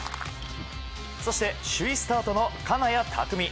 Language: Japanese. そして首位スタートの金谷拓実。